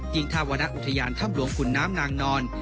จริงทาวนาอุทยานถ้ำหลวงขุนน้ำนางนอน